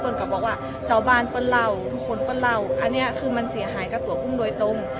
ทุกคนก็บอกว่าเจ้าบ้านเป็นเราทุกคนเป็นเราอันเนี้ยคือมันเสียหายกับตัวพุ่งโดยตรง